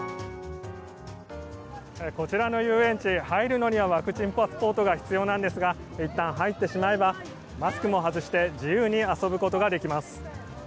こちらの遊園地入るのにはワクチンパスポートが必要なんですがいったん入ってしまえばマスクも外して自由に遊ぶことができます。